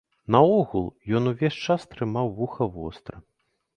Наогул, ён увесь час трымаў вуха востра.